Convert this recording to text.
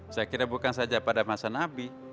saya kira bukan saja pada masa nabi